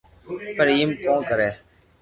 پر ايم ڪو ڪري